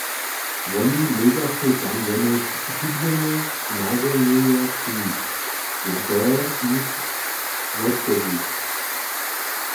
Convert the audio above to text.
Woni móžachu tam jenož hubjene nazhonjenja činić, dla toho jich wotzjewich.